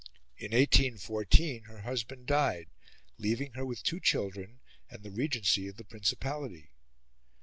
In 1814, her husband died, leaving her with two children and the regency of the principality.